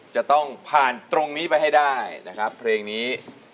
จะต้องผ่านตรงนี้ไปให้ได้นะครับเพลงนี้